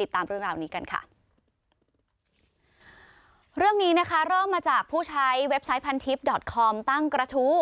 ติดตามเรื่องราวนี้กันค่ะเรื่องนี้นะคะเริ่มมาจากผู้ใช้เว็บไซต์พันทิพย์ดอตคอมตั้งกระทู้